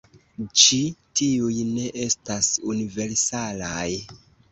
Ĉi tiuj ne estas universalaj.